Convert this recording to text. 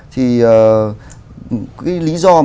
thì cái lý do mà